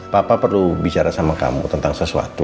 papa perlu bicara sama kamu tentang sesuatu